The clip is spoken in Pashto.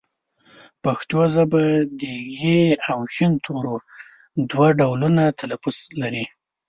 پښتو ژبه د ږ او ښ تورو دوه ډولونه تلفظ لري